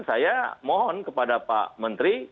saya mohon kepada pak menteri